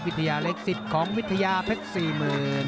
วิทยาเลขสิทธิ์ของวิทยาเพชร๔๐๐๐๐